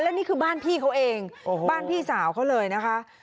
นี่คือบ้านพี่เขาเองบ้านพี่สาวเขาเลยนะคะ